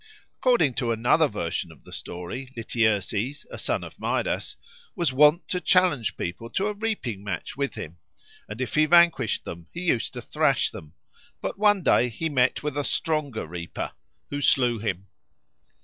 According to another version of the story, Lityerses, a son of Midas, was wont to challenge people to a reaping match with him, and if he vanquished them he used to thrash them; but one day he met with a stronger reaper, who slew him.